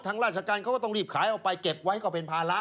ราชการเขาก็ต้องรีบขายออกไปเก็บไว้ก็เป็นภาระ